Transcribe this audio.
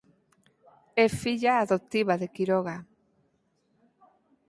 É filla adoptiva de Quiroga.